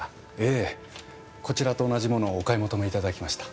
ええこちらと同じ物をお買い求めいただきました。